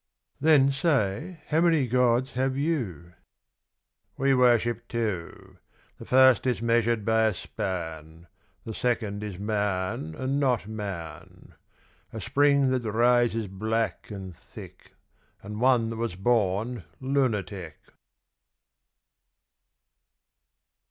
' Then say, how many gods have you ?"' We worship two. The first is measured by a span. The second is man and not man. A spring that rises black and thick, And one that was born lunatic."